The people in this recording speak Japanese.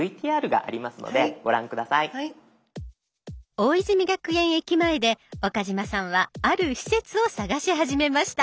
大泉学園駅前で岡嶋さんはある施設を探し始めました。